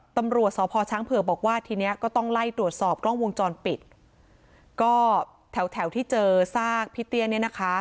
ตำรวจสพช้างเผือกบอกว่าทีเนี้ยก็ต้องไล่ตรวจสอบกล้องวงจรปิดก็แถวแถวที่เจอซากพี่เตี้ยเนี่ยนะคะ